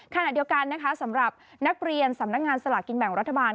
ขณะเดียวกันนะคะสำหรับนักเรียนสำนักงานสลากกินแบ่งรัฐบาล